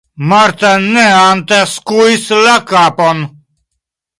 Marta neante skuis la kapon.